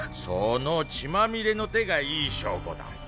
その血まみれの手がいい証拠だ。